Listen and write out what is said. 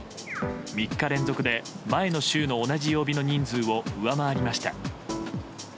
３日連続で、前の週の同じ曜日の人数を上回りました。